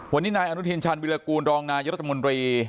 วันนี้นายอนุทินชาญวิรากูลรองนายรัฐมนตรี